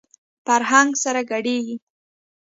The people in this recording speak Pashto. فرهنګ سره ګډېږي.